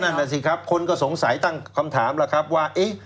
นั่นแหละสิครับคนก็สงสัยตั้งคำถามแล้วครับว่า